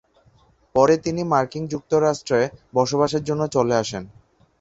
পরে তিনি মার্কিন যুক্তরাষ্ট্রে বসবাসের জন্য চলে আসেন।